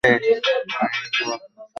আমিও যাবো তোমার সাথে।